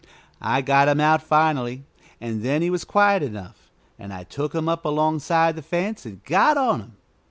I got him out finally, and then he was quiet enough, and I took him up alongside the fence and got on him.